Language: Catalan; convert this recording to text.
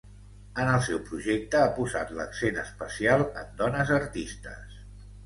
En el seu projecte ha posat l'accent especial en dones artistes.